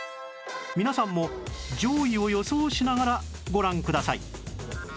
皆さんも上位を予想しながらご覧ください